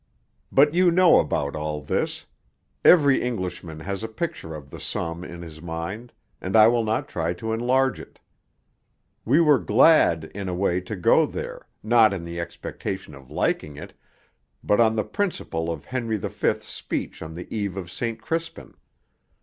But you know about all this. Every Englishman has a picture of the Somme in his mind, and I will not try to enlarge it. We were glad, in a way, to go there, not in the expectation of liking it, but on the principle of Henry V.'s speech on the eve of St. Crispin.